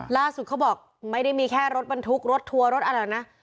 ล่าสุดเค้าบอกไม่ได้มีแค่รถบรรทุกรถทัวร์รถอะไรนะ